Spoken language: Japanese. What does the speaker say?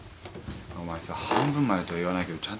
半分までとは言わないけどちゃんと出せよ。